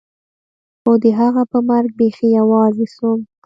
خو د هغه په مرګ بيخي يوازې سوم.